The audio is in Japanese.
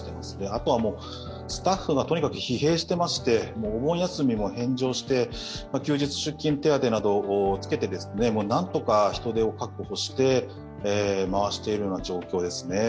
あとはスタッフがとにかく疲弊していまして、お盆休みも返上して、休日出勤手当などをつけてなんとか人手を確保して回している状況ですね。